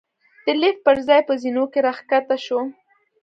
د لېفټ پر ځای په زېنو کې را کښته شوو.